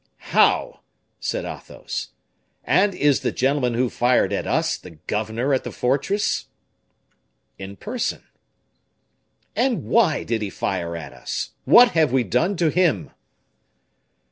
"How!" said Athos. "And is the gentleman who fired at us the governor of the fortress?" "In person." "And why did he fire at us? What have we done to him?"